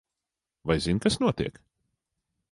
Vai zini, kas notiek?